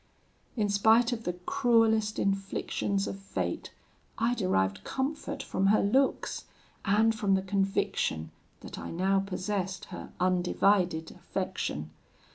"In spite of the cruellest inflictions of Fate, I derived comfort from her looks, and from the conviction that I now possessed her undivided affection.